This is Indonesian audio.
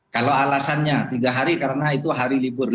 kalau alasannya tiga hari karena itu hari libur